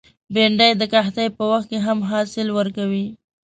بېنډۍ د قحطۍ په وخت کې هم حاصل ورکوي